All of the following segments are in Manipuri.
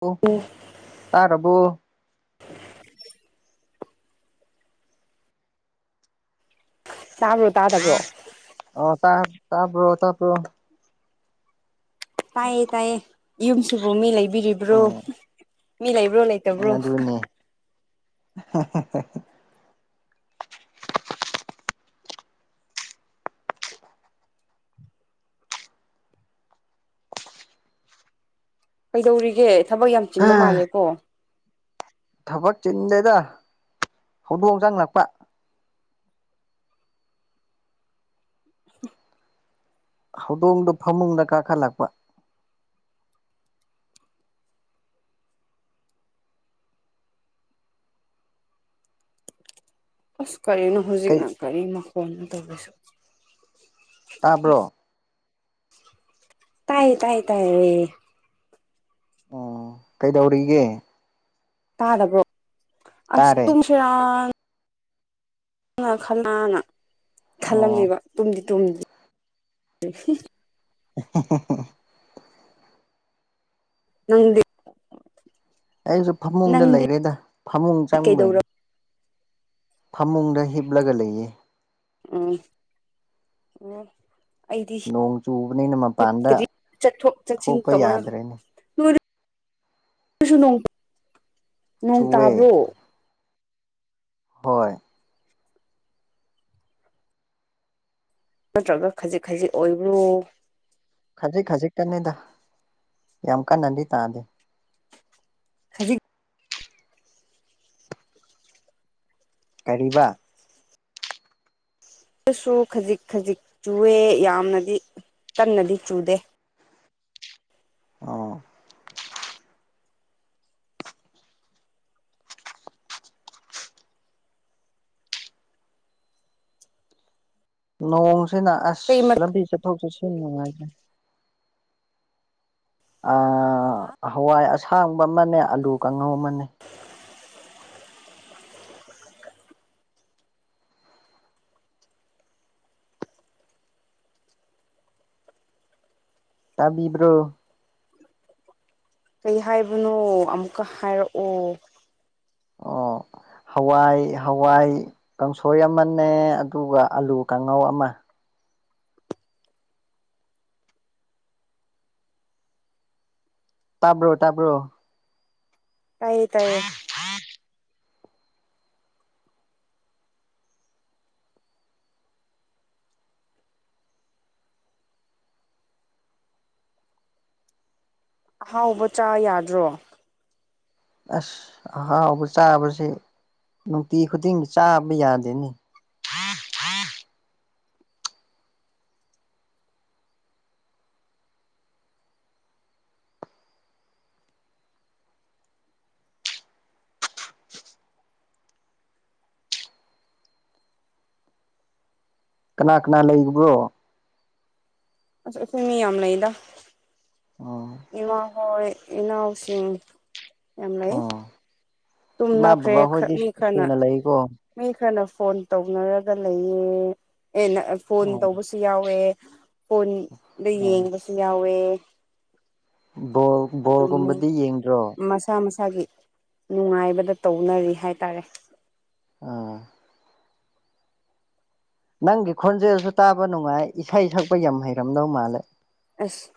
ꯑꯣ ꯇꯥꯔꯕꯣ ꯆꯕ꯭ꯔ ꯑꯣ ꯇ ꯇꯥꯕꯔꯣ ꯇꯕꯔꯣ꯫ ꯇꯥꯏꯌꯦ ꯇꯥꯏꯌꯦ ꯌꯨꯝꯁꯤꯕꯨ ꯃꯤ ꯂꯩꯕꯤꯔꯤꯕ꯭ꯔꯣ ꯎꯝ ꯃꯤ ꯂꯩꯕ꯭ꯔꯣ ꯂꯩꯇꯕ꯭ꯔꯣ ꯍꯥ ꯍꯥ ꯍꯥ ꯍꯥ ꯀꯩꯗꯧꯔꯤꯒꯦ ꯊꯕꯛ ꯌꯥꯝ ꯆꯤꯟꯕ ꯃꯥꯜꯂꯦꯀꯣ ꯊꯕꯛ ꯆꯤꯟꯗꯦꯗ ꯍꯧꯗꯣꯡ ꯆꯡꯂꯛꯄ ꯍꯧꯗꯣꯡꯗꯣ ꯐꯃꯨꯡꯗ ꯀꯥꯈꯠꯂꯛꯄ ꯑꯁ ꯀꯔꯤꯅꯣ ꯀꯩ ꯍꯧꯖꯤꯛꯅ ꯀꯔꯤ ꯃꯈꯣꯟꯅꯣ ꯇꯧꯔꯤꯁꯨ ꯇꯥꯕ꯭ꯔꯣ ꯇꯥꯏ ꯇꯥꯏ ꯇꯥꯏꯌꯦ ꯎꯝ ꯀꯩꯗꯧꯔꯤꯒꯦ ꯇꯥꯗꯕꯔꯣ ꯑꯁ ꯇꯥꯔꯦ ꯇꯨꯝꯁꯤꯔꯅꯥ ꯈꯅꯥꯅ ꯑꯣ ꯈꯜꯂꯝꯃꯦꯕ ꯇꯨꯝꯗꯤ ꯇꯨꯝꯗꯤ [unintelligible] ꯅꯪꯗꯤ ꯑꯩꯁꯨ ꯐꯃꯨꯡꯗ ꯅꯪꯗꯤ ꯂꯩꯔꯦꯗ ꯐꯃꯨꯡ ꯆꯪꯕꯅꯤ ꯀꯩꯗꯧꯔ ꯐꯃꯨꯡꯗ ꯍꯤꯞꯂꯒ ꯂꯩꯌꯦ ꯑꯣ ꯑꯣ ꯑꯩꯗꯤ ꯅꯣꯡ ꯆꯨꯕꯅꯤꯅ ꯃꯄꯥꯟꯗ ꯍꯤꯞꯇꯗꯤ ꯆꯠꯊꯣꯛ ꯆꯠꯁꯤꯟ ꯊꯣꯛꯄ ꯇꯧꯔ ꯌꯥꯗ꯭ꯔꯦꯅꯦ ꯀꯁꯨ ꯅꯣꯡ ꯆꯨꯋꯦ ꯇꯥꯕ꯭ꯔꯣ ꯍꯣꯏ ꯅꯠꯇ꯭ꯔꯒ ꯈꯖꯤꯛ ꯈꯖꯤꯛ ꯑꯣꯏꯕ꯭ꯔꯣ ꯈꯖꯤꯛ ꯈꯖꯤꯛꯇꯅꯦꯗ ꯌꯥꯝ ꯀꯟꯅꯗꯤ ꯇꯥꯗꯦ ꯈꯖꯤꯛ ꯀꯔꯤꯕ ꯁꯨ ꯈꯖꯤꯛ ꯈꯖꯤꯛ ꯆꯨꯑꯦ ꯌꯥꯝꯅꯗꯤ ꯀꯟꯅꯗꯤ ꯆꯨꯗꯦ ꯑꯣ ꯅꯣꯡꯁꯤꯅ ꯑꯁ ꯀꯩ ꯃꯊꯦꯜ ꯂꯝꯕꯤ ꯆꯠꯊꯣꯛ ꯆꯠꯁꯤꯟ ꯅꯨꯡꯉꯥꯏꯇꯔ꯭ꯦ ꯍꯋꯥꯏ ꯑꯁꯥꯡꯕ ꯑꯃꯅꯦ ꯑꯂꯨ ꯀꯥꯡꯉꯧ ꯑꯃꯅꯦ ꯇꯥꯕꯤꯕ꯭ꯔꯣ ꯀꯩ ꯍꯥꯏꯕꯅꯣ ꯑꯃꯨꯛꯀ ꯍꯥꯏꯔꯛꯑꯣ ꯑꯣ ꯍꯋꯥꯏ ꯍꯋꯥꯏ ꯀꯥꯡꯁꯣꯏ ꯑꯃꯅꯦ ꯑꯗꯨꯒ ꯑꯂꯨ ꯀꯥꯡꯉꯧ ꯑꯃ ꯇꯥꯕ꯭ꯔꯣ ꯇꯥꯕ꯭ꯔꯣ ꯇꯥꯏꯌꯦ ꯇꯥꯏꯌꯦ ꯍꯥꯡ ꯑꯍꯥꯎꯕ ꯆꯥ ꯌꯥꯗ꯭ꯔꯣ ꯑꯁ ꯑꯍꯥꯎꯕ ꯆꯥꯕꯁꯤ ꯅꯨꯡꯇꯤ ꯈꯨꯗꯤꯡꯒꯤ ꯆꯥꯕ ꯌꯥꯗꯦꯅꯦ ꯀꯅꯥ ꯀꯅꯥ ꯂꯩꯕ꯭ꯔꯣ ꯑꯁ ꯃꯤ ꯌꯥꯝ ꯂꯩꯗ ꯑꯣ ꯏꯃꯥ ꯍꯣꯏ ꯏꯅꯥꯎꯁꯤꯡ ꯌꯥꯝ ꯂꯩ ꯎꯝ ꯏꯃꯥ ꯇꯨꯝꯅꯈ꯭ꯔꯦ ꯕꯕꯥ ꯍꯣꯏꯗꯤ ꯃꯤ ꯈꯔꯅ ꯁꯨꯅ ꯂꯩꯀꯣ ꯃꯤ ꯈꯔꯅ ꯐꯣꯟ ꯇꯧꯅꯔꯒ ꯂꯩꯌꯦ ꯑꯦ ꯅ ꯐꯣꯟ ꯎꯝ ꯇꯧꯕꯁꯨ ꯁꯨ ꯌꯥꯎꯋꯦ ꯐꯣꯟꯗ ꯎꯝ ꯌꯦꯡꯕꯁꯨ ꯌꯥꯎꯋꯦ ꯕꯣꯜ ꯑꯗꯨꯝ ꯕꯣꯜꯒꯨꯝꯕꯗꯤ ꯌꯦꯡꯗ꯭ꯔꯣ ꯃꯁꯥ ꯃꯁꯥꯒꯤ ꯅꯨꯡꯉꯥꯏꯕꯗ ꯇꯧꯅꯔꯤ ꯍꯥꯏꯇꯥꯔꯦ ꯑꯥ ꯅꯪꯒꯤ ꯈꯣꯟꯖꯦꯜꯁꯨ ꯇꯥꯕ ꯅꯨꯡꯉꯥꯏ ꯏꯁꯩ ꯁꯛꯄ ꯌꯥꯝ ꯍꯩꯔꯝꯗꯧ ꯃꯥꯜꯂꯦ ꯑꯁ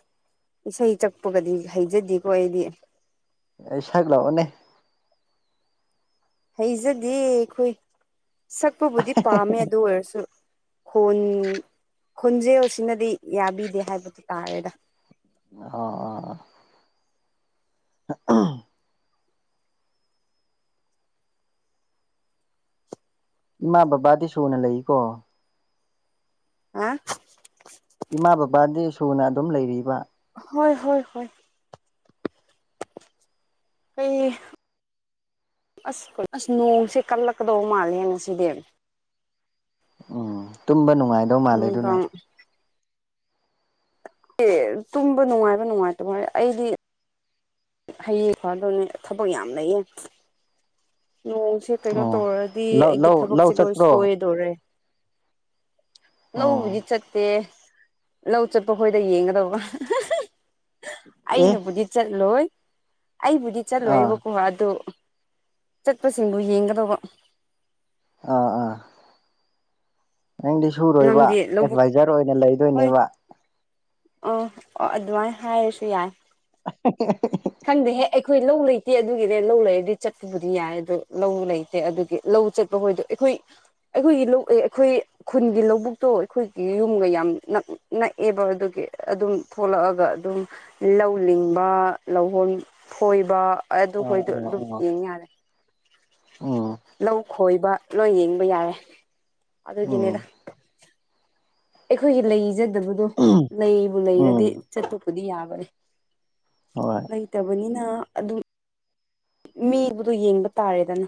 ꯏꯁꯩ ꯁꯛꯄꯒꯗꯤ ꯍꯩꯖꯗꯦꯀꯣ ꯑꯩꯗꯤ ꯑꯩꯁ ꯁꯛꯂꯛꯑꯣꯅꯦ ꯍꯩꯖꯗꯦ ꯑꯩꯈꯣꯏ ꯁꯛꯄꯕꯨꯗꯤ ꯄꯥꯝꯃꯦ ꯑꯗꯨ ꯑꯣꯏꯔꯁꯨ ꯈꯣꯟ ꯈꯣꯟꯖꯦꯜꯁꯤꯅꯗꯤ ꯌꯥꯕꯤꯗꯦ ꯍꯥꯏꯕꯗꯤ ꯇꯥꯔꯦꯗ ꯑꯣ ꯑꯣ ꯎꯝ ꯏꯃꯥ ꯕꯥꯕꯥꯗꯤ ꯁꯨꯅ ꯂꯩꯔꯤꯀꯣ ꯍꯥ ꯏꯃꯥ ꯕꯕꯥꯗꯤ ꯁꯨꯅ ꯑꯗꯨꯝ ꯂꯩꯔꯤꯕ ꯍꯣꯏ ꯍꯣꯏ ꯍꯣꯏ ꯀꯩ ꯑꯁ ꯀꯩꯅꯣ ꯑꯁ ꯅꯣꯡꯁꯦ ꯀꯜꯂꯛꯀꯗꯧꯕ ꯃꯥꯜꯂꯦ ꯉꯁꯤꯗꯤ ꯎꯝ ꯇꯨꯝꯕ ꯅꯨꯡꯉꯥꯏꯗꯧ ꯃꯥꯜꯂꯦ ꯑꯗꯨꯅ ꯅꯨꯡꯗꯥꯡ ꯑꯦ ꯇꯨꯝꯕ ꯅꯨꯡꯉꯥꯏꯕ ꯅꯨꯡꯉꯥꯏꯇꯕ ꯑꯩꯗꯤ ꯍꯌꯦꯡ ꯐꯗꯧꯅꯦ ꯊꯕꯛ ꯌꯥꯝ ꯂꯩꯌꯦ ꯅꯣꯡꯁꯦ ꯀꯩꯅꯣ ꯑꯣ ꯇꯧꯔꯗꯤ ꯂꯧ ꯑꯩꯒꯤ ꯂꯧ ꯂꯧ ꯊꯕꯛꯁꯦ ꯂꯣꯏ ꯆꯠꯄ꯭ꯔꯣ ꯁꯣꯏꯗꯣꯔꯦ ꯂꯧꯕꯨꯗꯤ ꯑꯣ ꯆꯠꯇꯦ ꯂꯧ ꯆꯠꯄ ꯈꯣꯏꯗ ꯌꯦꯡꯒꯗꯧꯕ ꯑꯦ ꯑꯩꯅꯕꯨꯗꯤ ꯆꯠꯂꯣꯏ ꯑꯩꯕꯨꯗꯤ ꯑꯥ ꯆꯠꯂꯣꯏꯕꯀꯣ ꯑꯗꯨ ꯆꯠꯄꯁꯤꯡꯕꯨ ꯌꯦꯡꯒꯗꯧꯕ ꯑꯥ ꯑꯥ ꯅꯪꯗꯤ ꯁꯨꯔꯣꯏꯕ ꯅꯪꯗꯤ ꯂꯧꯕꯨꯛ ꯑꯦꯗꯚꯥꯏꯖꯔ ꯑꯣꯏꯅ ꯂꯩꯗꯣꯏꯅꯦꯕ ꯑꯥ ꯑꯣ ꯑꯗꯨꯃꯥꯏꯅ ꯍꯥꯏꯔꯁꯨ ꯌꯥꯏ [inaudible] ꯈꯪꯗꯦꯍꯦ ꯑꯩꯈꯣꯏ ꯂꯧ ꯂꯩꯇꯦ ꯑꯗꯨꯒꯤꯅꯦ ꯂꯧ ꯂꯩꯔꯗꯤ ꯆꯠꯄꯕꯨꯗꯤ ꯌꯥꯏ ꯑꯗꯣ ꯂꯧ ꯂꯩꯇꯦ ꯑꯗꯨꯒꯤ ꯂꯧ ꯆꯠꯄ ꯍꯣꯏꯗꯣ ꯑꯩꯈꯣꯏ ꯑꯩꯈꯣꯏꯒꯤ ꯂꯧ ꯑꯩꯈꯣꯏ ꯈꯨꯟꯒꯤ ꯂꯧꯕꯨꯛꯇꯣ ꯑꯩꯈꯣꯏꯒꯤ ꯌꯨꯝꯒ ꯌꯥꯝ ꯅꯛꯑꯦꯕ ꯑꯗꯨꯒꯤ ꯑꯗꯨꯝ ꯊꯣꯛꯂꯛꯑꯒ ꯑꯗꯨꯝ ꯂꯧ ꯂꯤꯡꯕ ꯂꯧꯍꯣꯟ ꯐꯣꯏꯕ ꯑꯣ ꯑꯗꯨꯈꯣꯏꯗꯣ ꯑꯗꯨꯝ ꯑꯣ ꯑꯣ ꯌꯦꯡ ꯌꯥꯔꯦ ꯎꯝ ꯂꯧ ꯈꯣꯏꯕ ꯂꯣꯏ ꯌꯦꯡꯕ ꯌꯥꯔꯦ ꯎꯝ ꯑꯗꯨꯒꯤꯅꯤꯗ ꯑꯩꯈꯣꯏꯒꯤ ꯂꯩꯖꯗꯕꯗꯣ ꯂꯩꯕꯨ ꯎꯝ ꯂꯩꯔꯗꯤ ꯆꯠꯄꯕꯨꯗꯤ ꯌꯥꯕꯅꯤ ꯍꯣꯏ ꯂꯩꯇꯕꯅꯤꯅ ꯑꯗꯨꯝ ꯃꯤꯕꯨꯗꯣ ꯌꯦꯡꯕ ꯇꯥꯔꯦꯗꯅ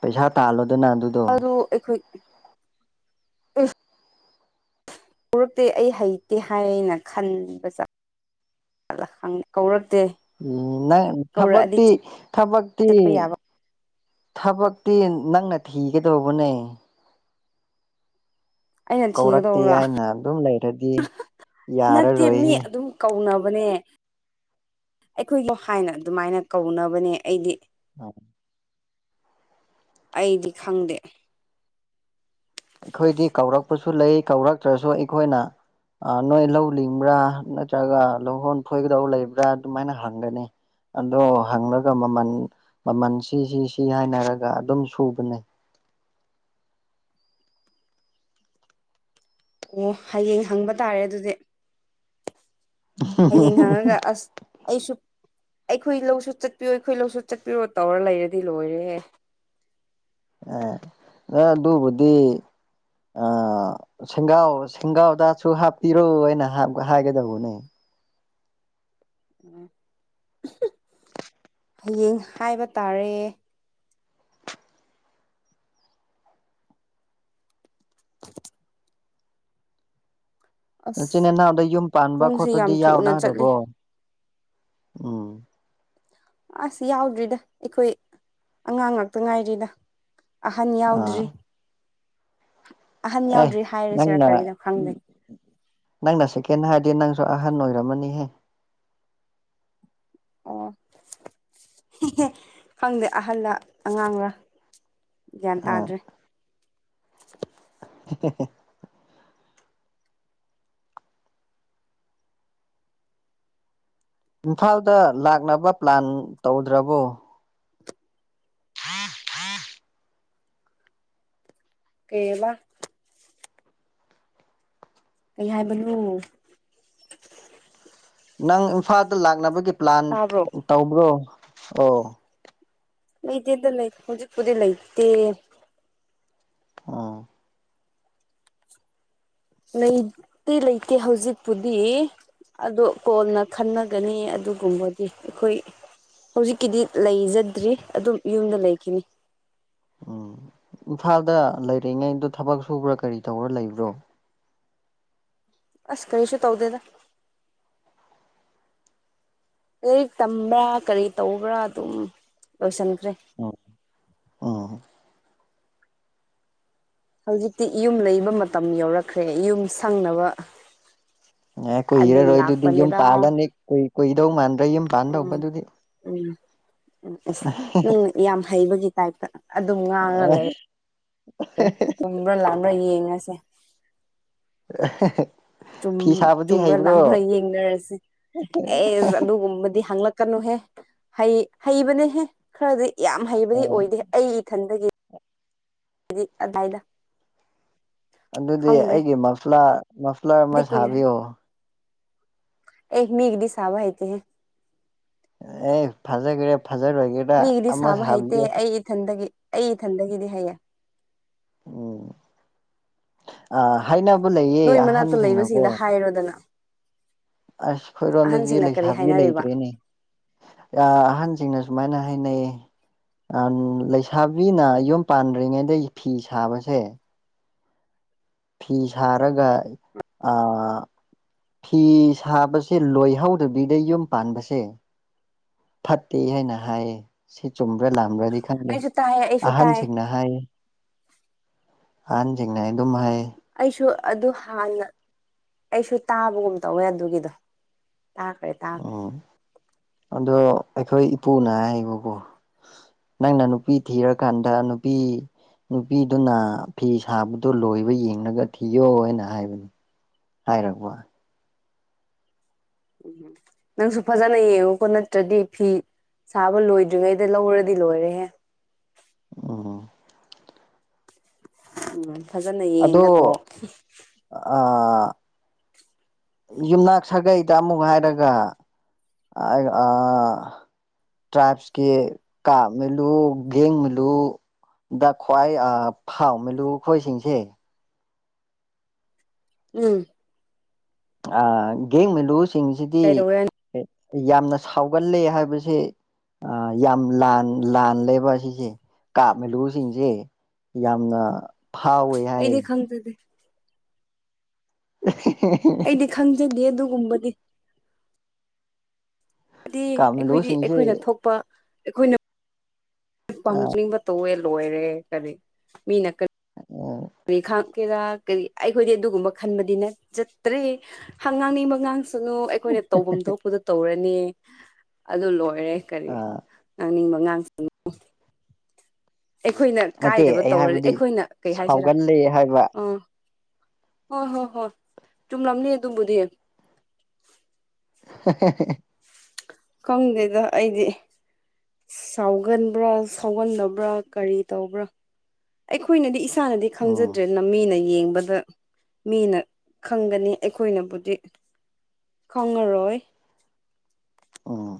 ꯄꯩꯁꯥ ꯇꯥꯜꯂꯣꯗꯅꯥ ꯑꯗꯨ ꯑꯗꯨ ꯑꯩꯈꯣꯏ ꯎꯔꯛꯇꯦ ꯑꯩ ꯍꯩꯇꯦ ꯍꯥꯏꯅ ꯈꯟꯕ ꯀꯧꯔꯛꯇꯦ ꯎ ꯅꯪ ꯀꯧꯔꯛꯑꯗꯤ ꯊꯕꯛꯇꯤ ꯊꯕꯛꯇꯤ ꯆꯠꯄ ꯌꯥꯕ ꯊꯕꯛꯇꯤ ꯅꯪꯅ ꯊꯤꯒꯗꯧꯕꯅꯦ ꯑꯩꯅ ꯀꯧꯔꯛꯇꯦ ꯊꯤꯒꯗꯧꯔꯥ ꯍꯥꯏꯅ ꯑꯗꯨꯝ ꯂꯩꯔꯗꯤ ꯅꯠꯇꯦ ꯌꯥꯔꯔꯣꯏ ꯃꯤ ꯑꯗꯨꯝ ꯀꯧꯅꯕꯅꯦ ꯑꯩꯈꯣꯏꯗꯣ ꯍꯥꯏꯅ ꯑꯗꯨꯃꯥꯏꯅ ꯀꯧꯅꯕꯅꯦ ꯑꯩꯗꯤ ꯎ ꯑꯩꯗꯤ ꯈꯪꯗꯦ ꯑꯩꯈꯣꯏꯗꯤ ꯀꯧꯔꯛꯄꯁꯨ ꯂꯩ ꯀꯧꯔꯛꯇ꯭ꯔꯁꯨ ꯑꯩꯈꯣꯏꯅ ꯑ ꯅꯣꯏ ꯂꯧ ꯂꯤꯡꯕ꯭ꯔꯥ ꯅꯠꯇ꯭ꯔꯒ ꯂꯧꯍꯣꯟ ꯐꯣꯏꯒꯗꯕ ꯂꯩꯕ꯭ꯔꯥ ꯑꯗꯨꯃꯥꯏꯅ ꯍꯪꯒꯅꯤ ꯑꯗꯣ ꯍꯪꯂꯒ ꯃꯃꯜ ꯃꯃꯜ ꯁꯤ ꯁꯤ ꯁꯤ ꯍꯥꯏꯅꯔꯒ ꯑꯗꯨꯝ ꯁꯨꯕꯅꯦ ꯑꯣ ꯍꯌꯦꯡ ꯍꯪꯕ ꯇꯥꯔꯦ ꯑꯗꯨꯗꯤ ꯍꯌꯦꯡ ꯍꯪꯉꯒ ꯑꯁ ꯑꯩꯁꯨ ꯑꯩꯈꯣꯏ ꯂꯧꯁꯨ ꯆꯠꯄꯤꯌꯣ ꯑꯩꯈꯣꯏ ꯂꯧꯁꯨ ꯆꯠꯄꯤꯔꯣ ꯇꯧꯔ ꯂꯩꯔꯗꯤ ꯂꯣꯏꯔꯦ ꯑꯗꯨꯕꯨꯗꯤ ꯑ ꯁꯦꯡꯒꯥꯎ ꯁꯦꯡꯒꯥꯎꯗꯁꯨ ꯍꯥꯞꯄꯤꯔꯣ ꯍꯥꯏꯅ ꯍꯥꯏꯒꯗꯧꯕꯅꯦ ꯑꯣ [unintelligible] [inaudible] ꯍꯌꯦꯡ ꯍꯥꯏꯕ ꯇꯥꯔꯦ [unintelligible] ꯏꯆꯤꯟ ꯑꯁ ꯏꯅꯥꯎꯗ ꯌꯨꯝ ꯄꯥꯟꯕ ꯄꯨꯡꯁꯦ ꯈꯣꯠꯄꯗꯤ ꯌꯥꯝ ꯊꯨꯅ ꯆꯠꯂꯤ ꯌꯥꯎꯅꯔꯕꯣ ꯎꯝ ꯑꯁ ꯌꯥꯎꯗ꯭ꯔꯤꯗ ꯑꯩꯈꯣꯏ ꯑꯉꯥꯡ ꯉꯥꯛꯇ ꯉꯥꯏꯔꯤꯗ ꯑꯍꯟ ꯑꯥ ꯌꯥꯎꯗ꯭ꯔꯤ ꯑꯍꯟ ꯑꯦ ꯌꯥꯎꯗ꯭ꯔꯤ ꯍꯥꯏꯔꯁꯤꯔ ꯅꯪꯅ ꯀꯔꯤꯅꯣ ꯈꯪꯗꯦ ꯅꯪꯅ ꯁꯦꯀꯦꯟ ꯍꯥꯏꯔꯗꯤ ꯅꯪꯁꯨ ꯑꯍꯟ ꯑꯣꯏꯔꯝꯃꯅꯤꯍꯦ ꯑꯣ ꯈꯪꯗꯦ ꯑꯍꯜꯂ ꯑꯉꯥꯡꯂ ꯀꯋ꯭ꯥꯟ ꯑꯥ ꯇꯥꯗ꯭ꯔꯦ [inaudible] ꯏꯝꯐꯥꯜꯗ ꯂꯥꯛꯅꯕ ꯄ꯭ꯂꯥꯟ ꯇꯧꯗ꯭ꯔꯕꯣ ꯍꯥꯥ ꯍꯥ [unintelligible] ꯀꯩ ꯍꯥꯏꯕ ꯀꯩ ꯍꯥꯏꯕꯅꯣ ꯅꯪ ꯏꯝꯐꯥꯜꯗ ꯂꯥꯛꯅꯕꯒꯤ ꯄ꯭ꯂꯥꯟ ꯇꯥꯕ꯭ꯔꯣ ꯇꯧꯕ꯭ꯔꯣ ꯑꯣ [inaudible] ꯗ ꯂꯥꯏ ꯍꯧꯦ ꯀꯗꯦ ꯂꯩꯥꯏꯠꯇꯦ ꯑ ꯂꯩꯇꯤ ꯂꯩꯇꯦ ꯍꯧꯖꯤꯛꯄꯨꯗꯤ ꯑꯗꯣ ꯀꯣꯟꯅ ꯈꯟꯅꯒꯅꯤ ꯑꯗꯨꯒꯨꯝꯕꯗꯤ ꯑꯩꯈꯣꯏ ꯍꯧꯖꯤꯛꯀꯤꯗꯤ ꯂꯩꯖꯗ꯭ꯔꯤ ꯑꯗꯨꯝ ꯌꯨꯝꯗ ꯂꯩꯈꯤꯅꯤ ꯎꯝ ꯏꯝꯐꯥꯜꯗ ꯂꯩꯔꯤꯉꯩꯗ ꯊꯕꯛ ꯁꯨꯕ꯭ꯔꯥ ꯀꯔꯤ ꯇꯧꯔꯥ ꯂꯩꯕ꯭ꯔꯣ ꯑꯁ ꯀꯔꯤꯁꯨ ꯇꯧꯗꯦꯗ ꯂꯥꯏꯔꯤꯛ ꯇꯝꯕ꯭ꯔꯥ ꯀꯔꯤ ꯇꯧꯕ꯭ꯔꯥ ꯑꯗꯨꯝ ꯂꯣꯏꯁꯤꯟꯈ꯭ꯔꯦ ꯑꯣ ꯑꯣ ꯍꯧꯖꯤꯛꯇꯤ ꯌꯨꯝ ꯂꯩꯕ ꯃꯇꯝ ꯌꯧꯔꯛꯈ꯭ꯔꯦ ꯌꯨꯝ ꯁꯪꯅꯕ ꯑꯦ ꯑꯗꯨ ꯀꯨꯏꯔꯔꯣꯏ ꯑꯗꯨꯗꯤ ꯌꯨꯝ ꯂꯥꯛꯄꯅꯤꯗ ꯄꯥꯜꯂꯅꯤ ꯀꯨꯏ ꯀꯨꯏꯗꯧ ꯃꯥꯟꯗꯔ꯭ꯦ ꯌꯨꯝ ꯎꯝ ꯄꯥꯜꯗꯧꯕꯗꯨꯗꯤ ꯎꯝ ꯎꯝ ꯑꯁ ꯅꯪ ꯌꯥꯝ ꯍꯩꯕꯒꯤ ꯇꯥꯏꯞꯇ ꯑꯗꯨꯝ ꯉꯥꯡꯉ ꯂꯩꯔ [inaudible] ꯝꯕ꯭ꯔ ꯂꯥꯕ꯭ꯔꯥ ꯌꯦꯡꯉꯁꯦ [inaudible] ꯐꯤ ꯁꯥꯕꯗꯤ ꯆꯨꯝꯕ꯭ꯔꯥ ꯍꯩꯕ꯭ꯔꯣ ꯂꯥꯡꯕ꯭ꯔꯥ ꯌꯦꯡꯅꯔꯁꯤ ꯑꯦꯁ ꯑꯗꯨꯒꯨꯝꯕꯗꯤ ꯍꯥꯡꯂꯛꯀꯅꯨꯍꯦ ꯍꯩ ꯍꯩꯕꯅꯦꯍꯦ ꯈꯔꯗꯤ ꯌꯥꯝ ꯍꯩꯕꯗꯤ ꯑꯣ ꯑꯣꯏꯗꯦ ꯑꯩ ꯏꯊꯟꯗꯒꯤ ꯑꯗꯤ ꯑꯗꯥꯏꯗ ꯑꯗꯨꯗꯤ ꯈꯪꯗ꯭ꯔꯦ ꯑꯩꯒꯤ ꯃꯐꯂꯥ ꯃꯐ꯭ꯂꯥꯔ ꯑꯃ ꯗꯤ ꯀꯨꯏꯔꯦ ꯁꯥꯕꯤꯌꯣ ꯑꯦ ꯃꯤꯗꯤ ꯁꯥꯕ ꯍꯥꯏꯍꯤꯇꯦꯍꯦ ꯑꯦ ꯐꯖꯒꯦꯔ ꯐꯖꯔꯣꯏꯒꯦꯔ ꯃꯤꯒꯤꯗꯤ ꯁꯥꯕ ꯍꯩꯇꯦ ꯑꯩ ꯏꯊꯟꯗꯒꯤ ꯑꯩ ꯏꯊꯟꯗꯒꯤꯗꯤ ꯍꯩꯌꯦ ꯎꯝ ꯑ ꯍꯥꯏꯅꯕ ꯂꯩꯌꯦ ꯅꯣꯏ ꯃꯅꯥꯛꯇ ꯑꯍꯟꯁꯤꯡꯅꯀꯣ ꯂꯩꯕꯁꯤꯡꯗ ꯍꯥꯏꯔꯣꯗꯅ ꯑꯁ ꯈꯣꯏꯔꯣꯝꯗꯗꯤ ꯑꯍꯟꯁꯤꯡꯅ ꯀꯔꯤ ꯂꯩꯁꯥꯕꯤ ꯍꯥꯏꯅꯔꯤꯕ ꯂꯩꯇ꯭ꯔꯦꯅꯦ ꯑꯍꯟꯁꯤꯡꯅ ꯁꯨꯃꯥꯏꯅ ꯍꯥꯏꯅꯩꯌꯦ ꯂꯩꯁꯥꯕꯤꯅ ꯌꯨꯝ ꯄꯥꯟꯗ꯭ꯔꯤꯉꯩꯗ ꯐꯤ ꯁꯥꯕꯁꯦ ꯐꯤ ꯁꯥꯔꯒ ꯑ ꯐꯤ ꯁꯥꯕꯁꯦ ꯂꯣꯏꯍꯧꯗꯕꯤꯗ ꯌꯨꯝ ꯄꯥꯟꯕꯁꯦ ꯐꯠꯇꯦ ꯍꯥꯏꯅ ꯍꯥꯏꯌꯦ ꯁꯤ ꯆꯨꯝꯕ꯭ꯔꯥ ꯂꯥꯝꯕ꯭ꯔꯗꯤ ꯈꯪꯗꯦ ꯑꯩꯁꯨ ꯇꯥꯏꯌꯦ ꯑꯩꯁꯨ ꯇꯥꯏ ꯑꯍꯟꯁꯤꯡꯅ ꯍꯥꯏꯌꯦ ꯑꯍꯟꯆꯤꯡꯅ ꯑꯗꯨꯝ ꯍꯥꯏ ꯑꯩꯁꯨ ꯑꯗꯨ ꯍꯥꯟꯅ ꯑꯩꯁꯨ ꯇꯥꯕꯒꯨꯝ ꯇꯧꯋꯦ ꯑꯗꯨꯒꯤꯗꯣ ꯇꯥꯈ꯭ꯔꯦ ꯇꯥꯈ꯭ꯔꯦ ꯑꯣ ꯑꯗꯣ ꯑꯩꯈꯣꯏ ꯏꯄꯨꯅ ꯍꯥꯏꯕꯀꯣ ꯅꯪꯅ ꯅꯨꯄꯤ ꯊꯤꯔꯀꯥꯟꯗ ꯅꯨꯄꯤ ꯅꯨꯄꯤꯗꯨꯅ ꯐꯤ ꯁꯥꯕꯗꯨ ꯂꯣꯏꯕ ꯌꯦꯡꯂꯒ ꯊꯤꯌꯣ ꯍꯥꯏꯅ ꯍꯥꯏꯕꯅꯤ ꯍꯥꯏꯔꯛꯄ ꯎꯝ ꯅꯪꯁꯨ ꯐꯖꯅ ꯌꯦꯡꯉꯨꯀꯣ ꯅꯠꯇ꯭ꯔꯗꯤ ꯐꯤ ꯁꯥꯕ ꯂꯣꯏꯗ꯭ꯔꯤꯉꯩꯗ ꯂꯧꯔꯗꯤ ꯂꯣꯏꯔꯦꯍꯦ ꯑꯣ ꯎꯝ ꯐꯖꯅ ꯌꯦꯡꯒ ꯇ ꯑ ꯌꯨꯝꯅꯥꯛ ꯁꯥꯒꯩꯗ ꯑꯃꯨꯛ ꯍꯥꯏꯔꯒ ꯇ꯭ꯔꯥꯏꯞꯁꯀꯤ ꯀꯥꯞ ꯃꯜꯂꯨ ꯒꯦꯡ ꯃꯦꯂꯨ ꯗ ꯈ꯭ꯋꯥꯏ ꯐꯥꯎ ꯃꯦꯂꯨꯈꯣꯏꯁꯤꯡꯁꯦ ꯎꯝ ꯒꯦꯡꯃꯤꯂꯨꯁꯤꯡꯁꯤꯗꯤ ꯀꯩꯗꯧꯋꯦ ꯌꯥꯝꯅ ꯁꯥꯎꯒꯜꯂꯦ ꯍꯥꯏꯕꯁꯦ ꯑ ꯌꯥꯝ ꯂꯥꯟ ꯂꯥꯟ ꯂꯩꯕ ꯑꯁꯤꯁꯦ ꯀꯥꯞꯃꯤꯂꯨꯁꯤꯡꯁꯦ ꯌꯥꯝꯅ ꯐꯥꯎꯋꯦ ꯍꯥꯏ [unintelligible] [unintelligible] ꯑꯩꯗꯤ ꯈꯪꯖꯗꯦ ꯑꯗꯨꯒꯨꯝꯕꯗꯤ ꯑꯩꯈꯣꯏꯗꯤ ꯀꯥꯃꯤꯂꯨꯁꯤꯡꯁꯦ ꯑꯩꯈꯣꯏꯅ ꯊꯣꯛꯄ ꯑꯩꯈꯣꯏꯅ ꯄꯥꯝꯖꯅꯤꯡꯕ ꯇꯧꯋꯦ ꯂꯣꯏꯔꯦ ꯀꯔꯤ ꯃꯤꯅ ꯀꯔꯤ ꯑꯣ ꯀꯔꯤ ꯈꯥꯡ ꯀꯦꯔꯥ ꯀꯔꯤ ꯑꯩꯈꯣꯏꯗꯤ ꯑꯗꯨꯒꯨꯝꯕ ꯈꯟꯕꯗꯤ ꯅꯆꯠꯇ꯭ꯔꯦ ꯍꯪ ꯉꯥꯡꯅꯤꯡꯕ ꯉꯥꯡꯁꯅꯨ ꯑꯩꯈꯣꯏꯅ ꯇꯧꯐꯝ ꯊꯣꯛꯄꯗ ꯇꯧꯔꯅꯤ ꯑꯗꯨ ꯂꯣꯏꯔꯦ ꯀꯔꯤ ꯉꯥꯡꯅꯤꯡꯕ ꯉꯥꯡ ꯑꯩꯈꯣꯏꯅ ꯅꯠꯇꯦ ꯀꯥꯏꯗꯕ ꯑꯩ ꯇꯧꯔꯗꯤ ꯍꯥꯏꯕꯗꯤ ꯑꯩꯈꯣꯏꯅ ꯀꯩ ꯍꯥꯏꯁꯤꯔꯥ ꯁꯥꯎꯒꯜꯂꯦ ꯍꯥꯏꯕ ꯑꯥ ꯍꯣꯏ ꯍꯣꯏ ꯍꯣꯏ ꯆꯨꯝꯂꯝꯅꯤ ꯑꯗꯨꯕꯨꯗꯤ ꯍ ꯍꯦ ꯍꯦ ꯈꯪꯗꯦꯗ ꯑꯩꯗꯤ ꯁꯥꯎꯒꯟꯕ꯭ꯔꯥ ꯁꯥꯎꯒꯟꯗꯕ꯭ꯔꯥ ꯀꯔꯤ ꯇꯧꯕ꯭ꯔꯥ ꯑꯩꯈꯣꯏꯅꯗꯤ ꯏꯁꯥꯅꯗꯤ ꯎꯝ ꯈꯪꯖꯗ꯭ꯔꯦꯅ ꯃꯤꯅ꯫ ꯌꯦꯡꯕꯗ ꯃꯤꯅ ꯈꯪꯒꯅꯤ ꯑꯩꯈꯣꯏꯅꯕꯨꯗꯤ꯫ ꯈꯪꯉꯔꯣꯏ꯫ ꯑꯣꯥ꯫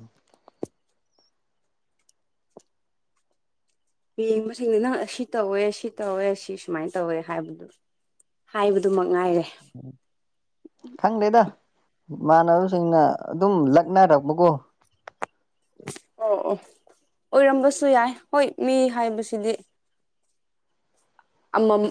ꯌꯦꯡꯕꯁꯤꯡꯗꯤ ꯅꯪ ꯁꯤ ꯇꯧꯋꯦ ꯁꯤ ꯇꯧꯋꯦ ꯁꯤ ꯁꯨꯃꯥꯏꯅ ꯇꯧꯋꯦ ꯍꯥꯏꯕꯗꯨ꯫ ꯍꯥꯏꯕꯗꯨꯃꯛ ꯉꯥꯏꯔꯦ꯫ ꯎꯝ꯫ ꯈꯪꯗꯦꯗ ꯏꯃꯥꯟꯅꯕꯁꯤꯡꯅ ꯑꯗꯨꯝ ꯂꯛꯅꯔꯛꯄꯀꯣ꯫ ꯑꯣ ꯑꯣ ꯑꯣꯏꯔꯝꯕꯁꯨ ꯌꯥꯏ ꯍꯣꯏ ꯃꯤ ꯍꯥꯏꯕꯁꯤꯗꯤ꯫ ꯑꯃꯝ꯫